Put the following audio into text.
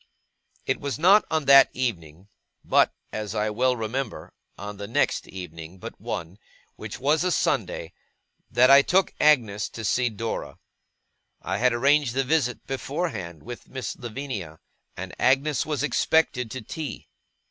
It was not on that evening; but, as I well remember, on the next evening but one, which was a Sunday; that I took Agnes to see Dora. I had arranged the visit, beforehand, with Miss Lavinia; and Agnes was expected to tea.